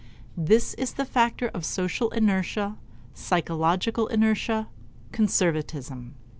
This is the factor of social inertia, psychological inertia, conservatism.